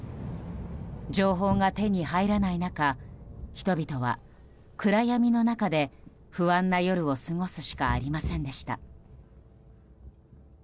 情報が手に入らない中人々は暗闇の中で不安な夜を過ごすしかありませんでした。